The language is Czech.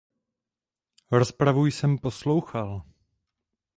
Rozpravu jsem poslouchal.